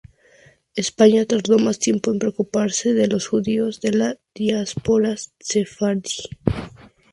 España tardó más tiempo en preocuparse de los judíos de la diáspora sefardí.